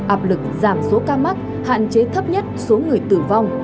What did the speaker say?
áp lực giảm số ca mắc hạn chế thấp nhất số người tử vong